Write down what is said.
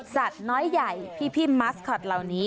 น้อยใหญ่พี่มัสคอตเหล่านี้